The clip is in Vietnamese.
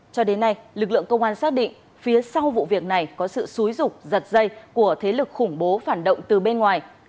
cho đến nay lực lượng công an xác định phía sau vụ việc này có sự xúi rục giật dây của thế lực khủng bố phản động từ bên ngoài